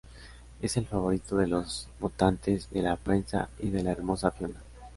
Es el favorito de los votantes, de la prensa y de la hermosa Fiona.